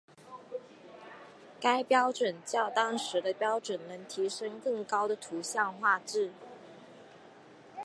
该标准较当时的标准能提升更高的图像画质。